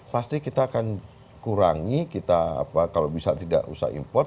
pasti kita akan kurangi kita kalau bisa tidak usah impor